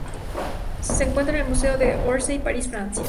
Se encuentra en el Museo de Orsay, París, Francia.